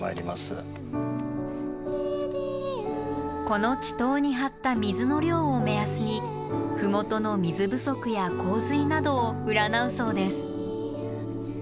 この池塘に張った水の量を目安に麓の水不足や洪水などを占うそうです。